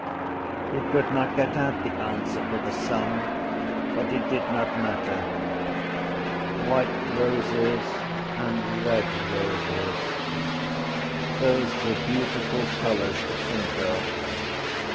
He could not get out the answer for the sum but it did not matter. White roses and red roses: those were beautiful colours to think of.